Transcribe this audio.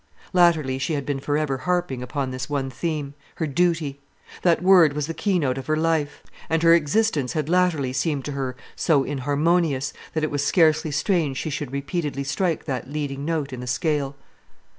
Latterly she had been for ever harping upon this one theme, her duty! That word was the keynote of her life; and her existence had latterly seemed to her so inharmonious, that it was scarcely strange she should repeatedly strike that leading note in the scale.